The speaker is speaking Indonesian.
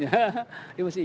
dia masih ingat